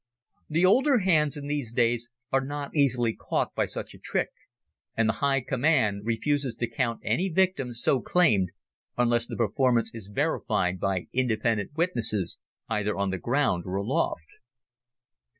The older hands in these days are not easily caught by such a trick, and the High Command refuses to count any victims so claimed unless the performance is verified by independent witnesses either on the ground or aloft.